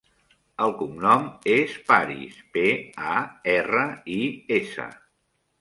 El cognom és Paris: pe, a, erra, i, essa.